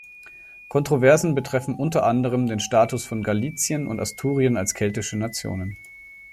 Kontroversen betreffen unter anderem den Status von Galicien und Asturien als keltische Nationen.